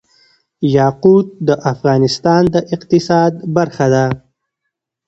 یاقوت د افغانستان د اقتصاد برخه ده.